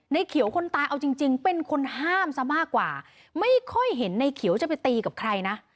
เขียวคนตายเอาจริงจริงเป็นคนห้ามซะมากกว่าไม่ค่อยเห็นในเขียวจะไปตีกับใครนะ